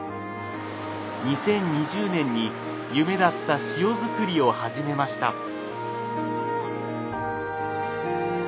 ２０２０年に夢だった塩づくりを始めました。